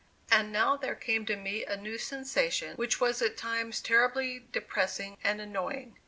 And now there came to me a new sensation which was at times terribly depressing and annoying.